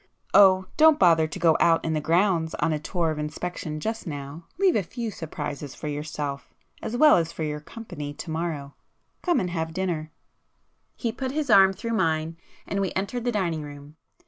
Oh, don't bother to go out in the grounds on a tour of inspection just now,—leave a few surprises for yourself as well as for your company to morrow. Come and have dinner!" He put his arm through mine and we entered the dining room.